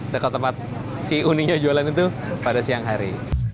dekat tempat si uninya jualan itu pada siang hari